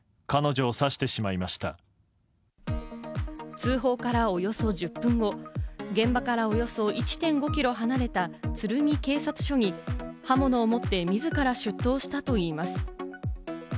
通報からおよそ１０分後、現場からおよそ１．５キロ離れた鶴見警察署に、刃物を持って自ら出頭したといいます。